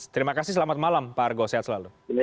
terima kasih selamat malam pak argo sehat selalu